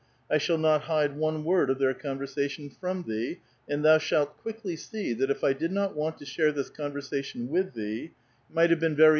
I shall not hide one word of their conversation from thee, and thou shalt quickly see, that if I did not want to share this conversation with tiice, it might have been very 292 A VITAL QUESTION.